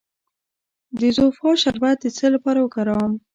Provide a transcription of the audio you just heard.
د زوفا شربت د څه لپاره وکاروم؟